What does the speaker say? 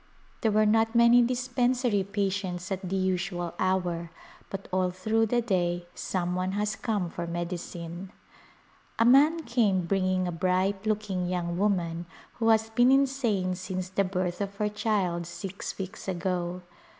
There were not many dispensary patients at the usual hour but all through the day some one has come for medicine. A man came bringing a bright looking young woman who has been insane since the birth of her child six weeks ago.